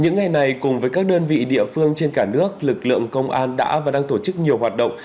những ngày này cùng với các đơn vị địa phương trên cả nước lực lượng công an đã và đang tổ chức nhiều hoạt động